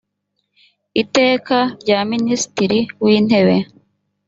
iteka rya minisitiri w intebe